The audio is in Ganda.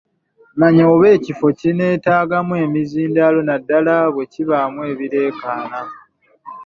Manya oba ekifo kineetaagamu emizindaalo naddala bwe kibaamu ebireekaana.